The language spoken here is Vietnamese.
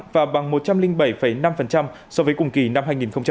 và bằng một trăm linh bảy năm so với cùng kỳ năm hai nghìn hai mươi